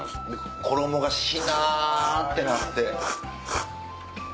衣がしなってなって。